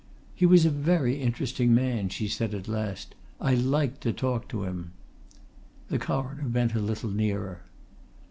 "He was a very interesting man," she said at last. "I liked to talk to him." The Coroner bent a little nearer.